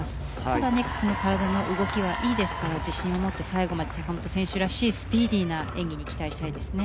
ただね体の動きはいいですから自信を持って最後まで坂本選手らしいスピーディーな演技に期待したいですね。